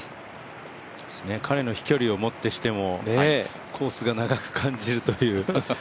彼の飛距離を持ってしてもコースが長く感じるという。